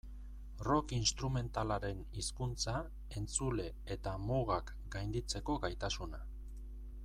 Rock instrumentalaren hizkuntza, entzule eta mugak gainditzeko gaitasuna.